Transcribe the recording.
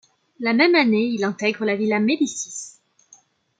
La même année, il intègre la Villa Médicis.